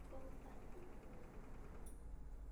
功德圓滿